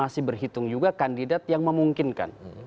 masih berhitung juga kandidat yang memungkinkan